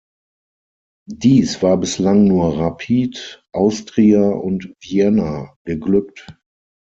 Dies war bislang nur Rapid, Austria und Vienna geglückt.